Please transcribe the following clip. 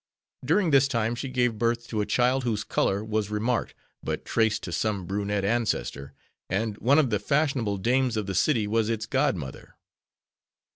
During this time she gave birth to a child whose color was remarked, but traced to some brunette ancestor, and one of the fashionable dames of the city was its godmother.